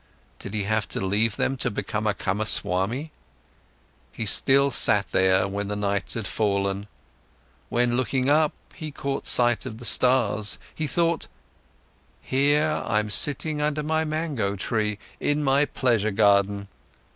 Did he have to leave them to become a Kamaswami? He still sat there, when the night had fallen. When, looking up, he caught sight of the stars, he thought: "Here I'm sitting under my mango tree, in my pleasure garden."